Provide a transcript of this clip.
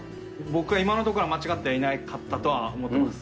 僕は今のところは間違っていなかったとは思ってます。